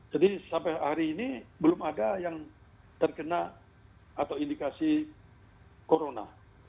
jadi sampai hari ini belum ada yang terkena atau indikasi corona